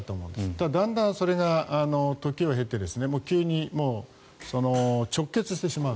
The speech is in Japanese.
ただ、だんだんそれが時を経て急に直結してしまう。